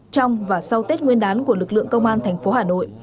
trong và sau tết nguyên đán của lực lượng công an thành phố hà nội